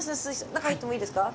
中入ってもいいですか？